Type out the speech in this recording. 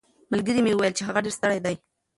ملګري مې وویل چې هغه ډېر ستړی دی.